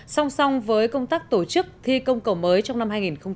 song song với công tác tổ chức thi công cầu mới trong năm hai nghìn một mươi tám